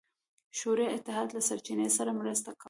شوروي اتحاد له چین سره مرسته کوله.